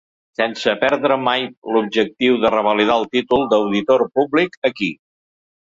Sense perdre mai l’objectiu de revalidar el títol d’auditor públic aquí.